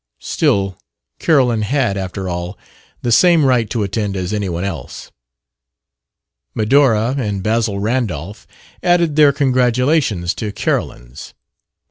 Still, Carolyn had, after all, the same right to attend as anyone else. Medora and Basil Randolph added their congratulations to Carolyn's.